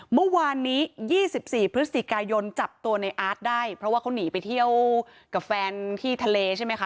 เมื่อวานนี้๒๔พฤศจิกายนจับตัวในอาร์ตได้เพราะว่าเขาหนีไปเที่ยวกับแฟนที่ทะเลใช่ไหมคะ